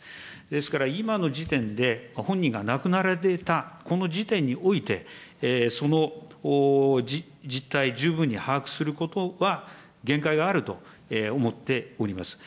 ですから今の時点で、本人が亡くなられたこの時点において、その実態、十分に把握することは限界があると思っております。